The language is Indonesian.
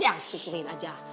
yang syukurin aja